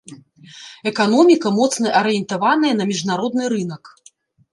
Эканоміка моцна арыентаваная на міжнародны рынак.